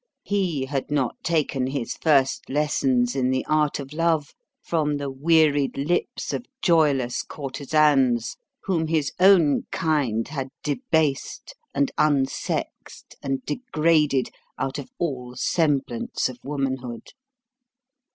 He had not taken his first lessons in the art of love from the wearied lips of joyless courtesans whom his own kind had debased and unsexed and degraded out of all semblance of womanhood.